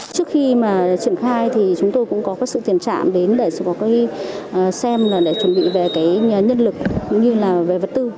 trước khi mà triển khai thì chúng tôi cũng có cái sự tiền chạm đến để có xem là để chuẩn bị về cái nhân lực cũng như là về vật tư